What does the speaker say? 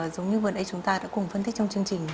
giống như vừa đây chúng ta đã cùng phân tích trong chương trình